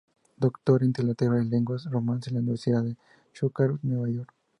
Doctor en literatura y lenguas romance en la Universidad de Syracuse, Nueva York.